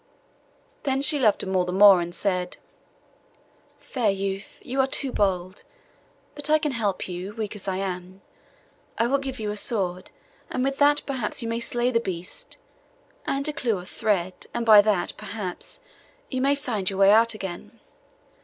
Then she loved him all the more, and said—'Fair youth, you are too bold; but I can help you, weak as I am. I will give you a sword, and with that perhaps you may slay the beast; and a clue of thread, and by that, perhaps, you may find your way out again.